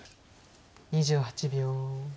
２８秒。